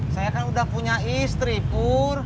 saya kan udah punya istri pur